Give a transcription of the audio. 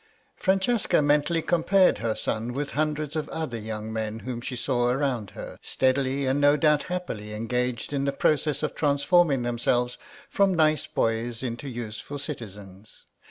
Francesca mentally compared her son with hundreds of other young men whom she saw around her, steadily, and no doubt happily, engaged in the process of transforming themselves from nice boys into useful citizens.